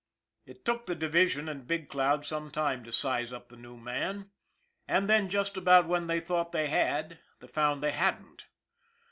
It took the division and Big Cloud some time to size up the new man, and then just about when they thought they had they found they hadn't.